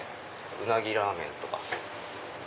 うなぎラーメンとか。